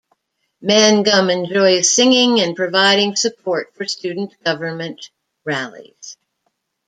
Mangum enjoys singing and providing support for student government rallies.